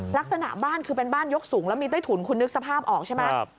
ลักษณะบ้านคือเป็นบ้านยกสูงแล้วมีใต้ถุนคุณนึกสภาพออกใช่ไหม